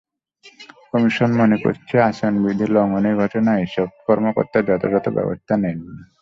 Commission মনে করছে, আচরণবিধি লঙ্ঘনের ঘটনায় এসব কর্মকর্তা যথাযথ ব্যবস্থা নেননি।